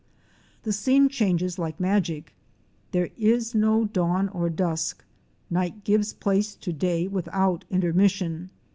The scene changes like magic; there is no dawn or dusk, night gives place to day without intermission.